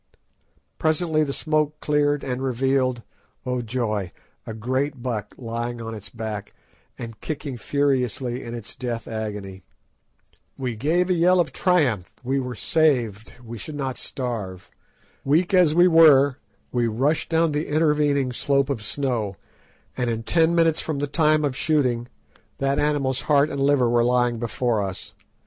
Presently the smoke cleared, and revealed—oh, joy!—a great buck lying on its back and kicking furiously in its death agony. We gave a yell of triumph—we were saved—we should not starve. Weak as we were, we rushed down the intervening slope of snow, and in ten minutes from the time of shooting, that animal's heart and liver were lying before us.